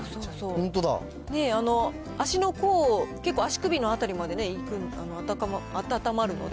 足の甲、結構足首の辺りまでいく、暖まるので。